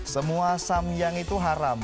semua samyang itu haram